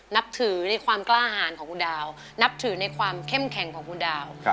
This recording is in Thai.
นับถือในความกล้าหารของคุณดาวนับถือในความเข้มแข็งของคุณดาว